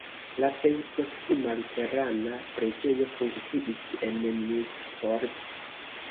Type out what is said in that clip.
La plej proksima luterana preĝejo funkciis en Miskolc.